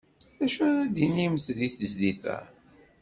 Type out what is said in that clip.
D acu ara d-tinim di tezlit-a?